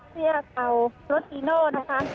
เพื่อยกับรถอีโน่นะคะ